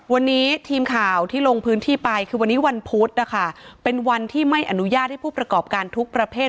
วันนี้ทีมข่าวที่ลงพื้นที่ไปคือวันนี้วันพุธนะคะเป็นวันที่ไม่อนุญาตให้ผู้ประกอบการทุกประเภท